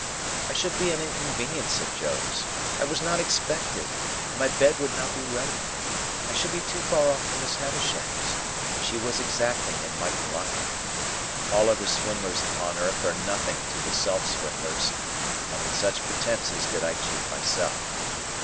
I should be an inconvenience at Joe's; I was not expected, and my bed would not be ready; I should be too far from Miss Havisham's, and she was exacting and mightn't like it. All other swindlers upon earth are nothing to the self swindlers, and with such pretences did I cheat myself.